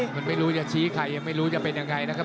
มันไม่รู้จะชี้ใครยังไม่รู้จะเป็นยังไงนะครับ